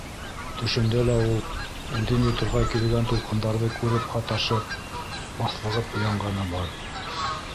Төшөндә лә ул, үҙен йоторға килгән тулҡындарҙы күреп һаташып, баҫлығып уянғаны бар.